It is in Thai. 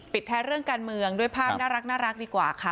ท้ายเรื่องการเมืองด้วยภาพน่ารักดีกว่าค่ะ